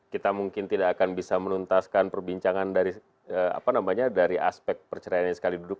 kita mungkin tidak akan bisa menuntaskan perbincangan dari aspek perceraian yang sekali duduk